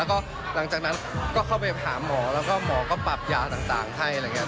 แล้วก็หลังจากนั้นก็เข้าไปหาหมอแล้วก็หมอก็ปรับยาต่างให้อะไรอย่างนี้